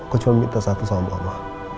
aku cuma minta satu soal mama